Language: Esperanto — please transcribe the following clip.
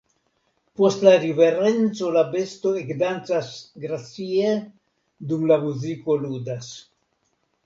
Post la riverenco la besto ekdancas gracie, dum la muziko ludas.